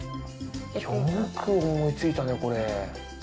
よく思いついたね、これ。